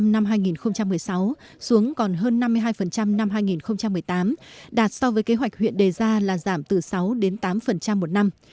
năm hai nghìn một mươi sáu xuống còn hơn năm mươi hai năm hai nghìn một mươi tám đạt so với kế hoạch huyện đề ra là giảm từ sáu đến tám một năm